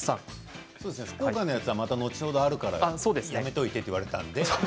福岡のやつは後ほどやるからやめておいてと言われたので。